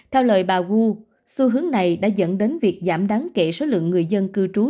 theo lời bà gu xu hướng này đã dẫn đến việc giảm đáng kể số lượng người dân cư trú